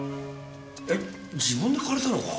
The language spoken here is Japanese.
え自分で借りたのか。